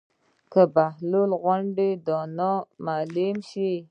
که بهلول غوندې دانا ئې معلم شي